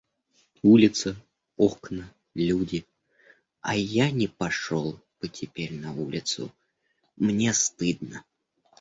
Улица, окна, люди, а я не пошел бы теперь на улицу — мне стыдно.